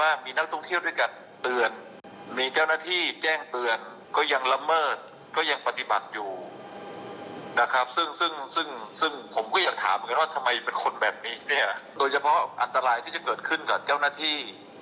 อันตรายที่จะเกิดขึ้นกับเจ้าหน้าที่